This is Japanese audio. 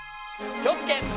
気をつけ！